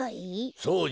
そうじゃよ。